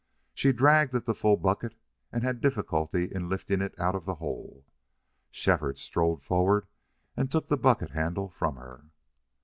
She dragged at the full bucket and had difficulty in lifting it out of the hole. Shefford strode forward and took the bucket handle from her.